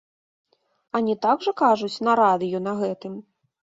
А не так жа кажуць на радыё на гэтым?!